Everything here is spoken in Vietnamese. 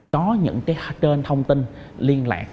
có những cái trên thông tin liên lạc